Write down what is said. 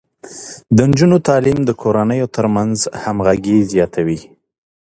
د نجونو تعليم د کورنيو ترمنځ همغږي زياتوي.